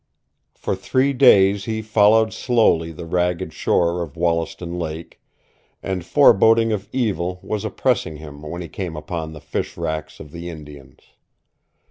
For three days he followed slowly the ragged shore of Wollaston Lake, and foreboding of evil was oppressing him when he came upon the fish racks of the Indians.